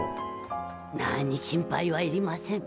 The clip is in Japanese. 何心配はいりません。